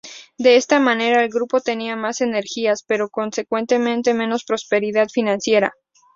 De esta manera el grupo tenía más energías, pero, consecuentemente, menos prosperidad financiera.